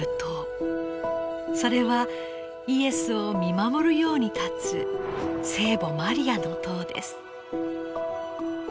それはイエスを見守るように立つ聖母マリアの塔です。